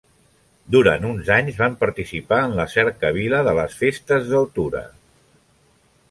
Durant uns anys van participar en la Cercavila de les Festes del Tura.